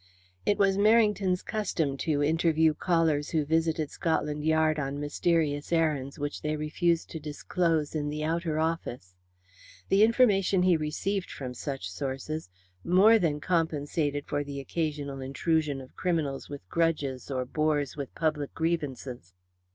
It was Merrington's custom to interview callers who visited Scotland Yard on mysterious errands which they refused to disclose in the outer office. The information he received from such sources more than compensated for the occasional intrusion of criminals with grudges or bores with public grievances.